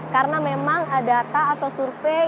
karena memang data atau survei